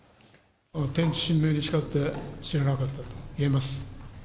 天地神明に誓って知らなかったと言えます。